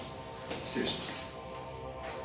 失礼します。